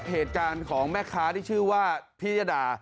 เหตุการณ์ของแม่ค้าที่ชื่อว่าพิยดา